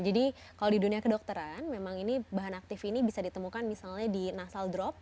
jadi kalau di dunia kedokteran memang ini bahan aktif ini bisa ditemukan misalnya di nasal drop